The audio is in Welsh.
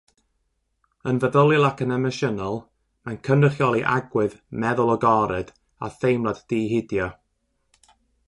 Yn feddyliol ac yn emosiynol, mae'n cynrychioli agwedd "meddwl agored" a theimlad di-hidio.